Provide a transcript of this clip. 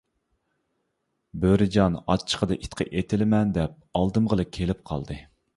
بۆرە جان ئاچچىقىدا ئىتقا ئېتىلىمەن دەپ ئالدىمغىلا كېلىپ قالدى.